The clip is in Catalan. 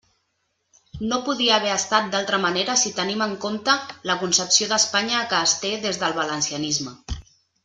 No podia haver estat d'altra manera si tenim en compte la concepció d'Espanya que es té des del valencianisme.